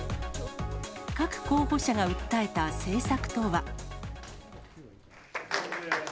各候補者が訴えた政策とは。